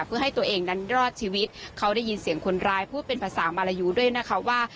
เพื่อให้ตัวเองนั้นรอดชีวิตเขาได้ยินเสียงคนร้ายพูดเป็นภาษามารยูด้วยนะคะว่า